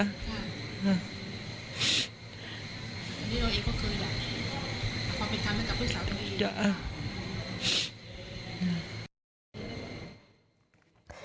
อันนี้เราเองก็เคยเอาความเป็นการเป็นกับผู้สาวที่มี